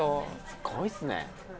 すごいっすね